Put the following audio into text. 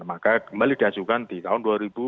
maka kembali diajukan di tahun dua ribu dua puluh